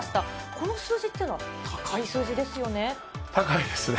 この数字っていうのは、高い数字高いですね。